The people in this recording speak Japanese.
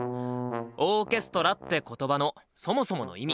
「オーケストラ」って言葉のそもそもの意味！